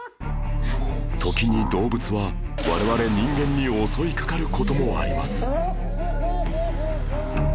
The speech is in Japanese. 時に動物は我々人間に襲いかかる事もあります